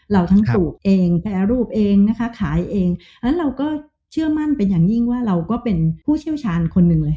เราทั้งสูบเองแปรรูปเองนะคะขายเองเพราะฉะนั้นเราก็เชื่อมั่นเป็นอย่างยิ่งว่าเราก็เป็นผู้เชี่ยวชาญคนหนึ่งเลย